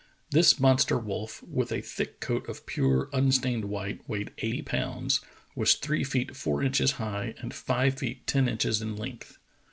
This monster wolf, with a thick coat of pure, unstained white, weighed eighty pounds, was three feet four inches high and five feet ten inches in length.